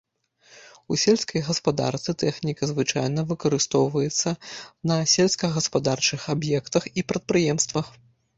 У сельскай гаспадарцы тэхніка звычайна выкарыстоўваецца на сельскагаспадарчых аб'ектах і прадпрыемствах.